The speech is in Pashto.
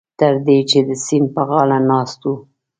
تر دې چې د سیند په غاړه ناست وو.